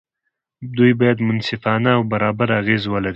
دوی باید منصفانه او برابر اغېز ولري.